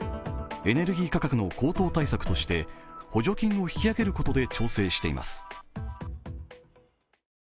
エネルギー価格の高騰対策として補助金を引き上げることで調整しています。